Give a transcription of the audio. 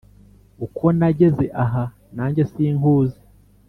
uko nageze aha nange sinkuzi